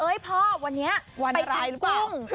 เอ๊ยพ่อวันนี้วันอะไรหรือเปล่า